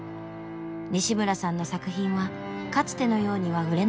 西村さんの作品はかつてのようには売れなくなっていました。